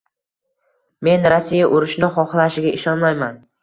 Men Rossiya urushni xohlashiga ishonmayman